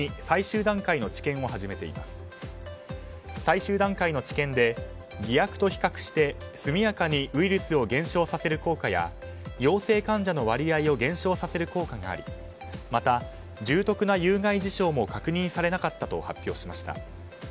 最終段階の治験で偽薬と比較して速やかにウイルスを減少させる効果や陽性患者の割合を減少させる効果がありまた、重篤な有害事象も確認されなかったと発表しました。